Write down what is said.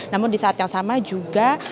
namun di saat yang sama juga